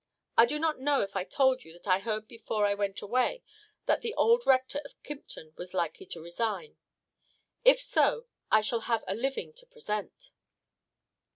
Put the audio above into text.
I do not know if I told you that I heard before I went away that the old Rector of Kympton was likely to resign. If so, I shall have a living to present."